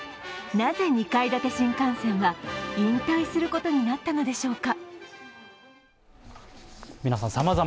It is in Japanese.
なぜ２階建て新幹線は引退することになったのでしょうか。